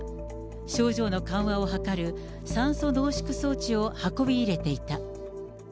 症状の緩和を図る酸素濃縮装置を運び入れていた。